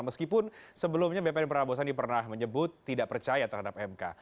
meskipun sebelumnya bpn prabowo sandi pernah menyebut tidak percaya terhadap mk